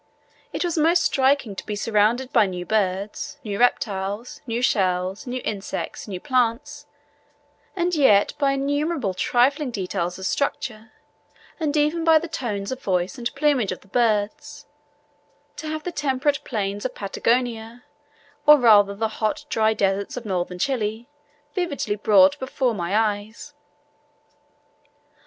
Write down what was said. It was most striking to be surrounded by new birds, new reptiles, new shells, new insects, new plants, and yet by innumerable trifling details of structure, and even by the tones of voice and plumage of the birds, to have the temperate plains of Patagonia, or rather the hot dry deserts of Northern Chile, vividly brought before my eyes.